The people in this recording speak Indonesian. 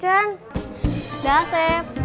iya makasih ya cen cen